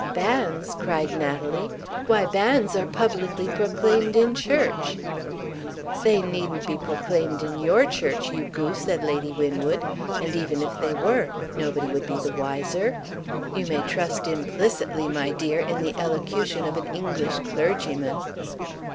"Banns!" cried Natalie. "Why, banns are publicly proclaimed in church!" "They needn't be proclaimed in your church, you goose," said Lady Winwood. "And, even if they were, nobody would be the wiser. You may trust implicitly, my dear, in the elocution of an English clergyman!"